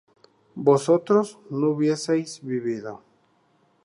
vosotros no hubieseis vivido